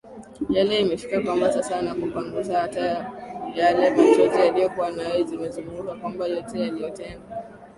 yake imefika kwamba sasa anakupangusa hata yale machozi uliyokuwa nayo nimezungumza kwamba yote niliyotendwa